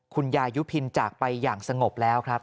คุณยายุพินจากไปอย่างสงบแล้วครับ